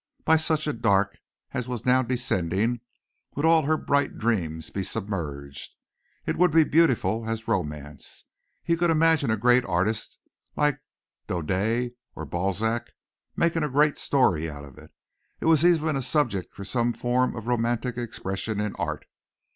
By such a dark as was now descending would all her bright dreams be submerged. It would be beautiful as romance. He could imagine a great artist like Daudet or Balzac making a great story out of it. It was even a subject for some form of romantic expression in art.